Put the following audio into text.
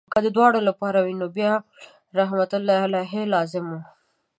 که د دواړو لپاره وي نو بیا رحمت الله علیهما لازم وو.